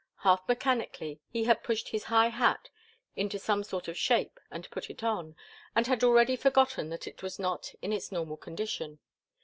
Half mechanically he had pushed his high hat into some sort of shape and put it on, and had already forgotten that it was not in its normal condition.